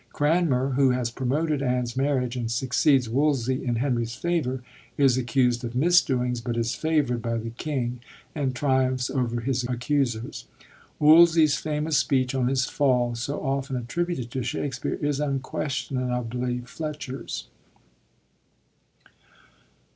Cranmer, who has promoted Anne's marriage and succeeds Wolsey in Henry's favor, is itccused of misdoings, but is favord by the king, and triumphs over his accusers. Wolsey's famous speech on his fall, so often a^^buted to Shak spere, is unquestionably Fletcher's.